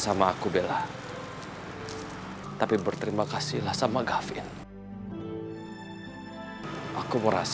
sama aku bella tapi berterima kasihlah sama gavin aku merasa